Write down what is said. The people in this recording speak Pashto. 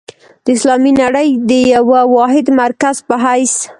د اسلامي نړۍ د یوه واحد مرکز په حیث.